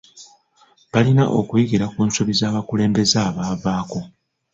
Balina okuyigira ku nsobi z'abakulembeze abaavaako.